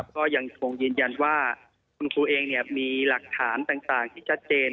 ก็ยังคงยืนยันว่าคุณครูเองมีหลักฐานต่างที่ชัดเจน